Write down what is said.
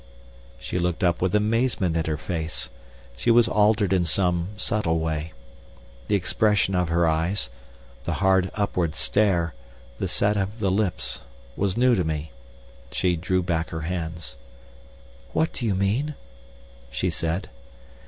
She looked up with amazement in her face. She was altered in some subtle way. The expression of her eyes, the hard upward stare, the set of the lips, was new to me. She drew back her hands. "What do you mean?" she said.